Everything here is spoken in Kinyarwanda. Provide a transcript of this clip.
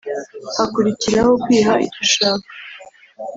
hakurikiraho kwiha icyo ushaka